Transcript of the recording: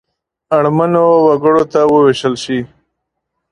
اړمنو وګړو ته ووېشل شي.